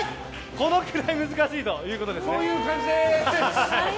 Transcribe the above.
このくらい難しいこういう感じです！